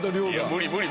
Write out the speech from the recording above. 無理無理。